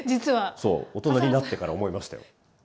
そう大人になってから思いましたよ。